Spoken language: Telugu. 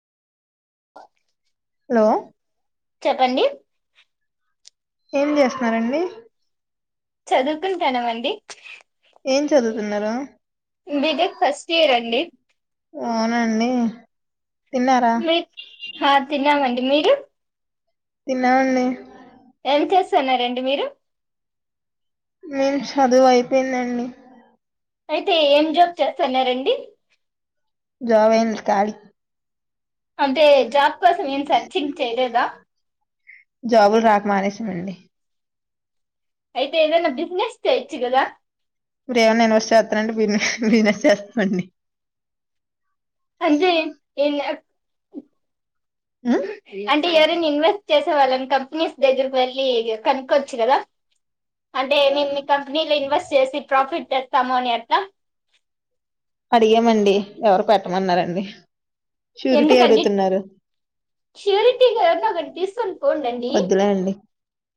హలో చెప్పండి ఏం చేస్తున్నారండి చదువుకుంటానం అండి ఏం చదువుతున్నారు బీటెక్ ఫస్ట్ ఇయర్ అండి అవున్ దండి తిన్నార మీ ఆ తిన్నామండి మీరు తిన్నానండి ఏం చేస్తున్నారండి మీరు నేను చదువు అయిపోయిందండి అయితే ఏం జాబ్ చేస్తున్నారంండి జాబెన్ త్యాన్ అంటే జాబ్ కోసం ఏం సర్చింగ్ చేయలేద జాబుల్ రాక మానేసం అండి అయితే ఏదైనా బిజినెస్ చేయొచ్చు కదా [unintelligible] వినొచ్చేస్తండి కట్ జాయ్ ఏం లె అయ్ అంటే ఎవరని ఇన్వెస్ట్ చేసే వాళ్ళని కంపెనీస్ దగ్గరకు వెళ్లి కనుక్కోవచ్చు కదా అంటే మేము మీ కంపెనీలో ఇన్వెస్ట్ చేసి ప్రాఫిట్ తెస్తాము అని అట్ల అడిగామండి ఎవరు పెట్టమన్నారంండి ష్యూరిటీ ఎందుకండి అడుగుతున్నారు ష్యూరిటీగా ఎవరినో ఒకరిని తీసుకొని పోండండి [inaudible] వద్దులే అండి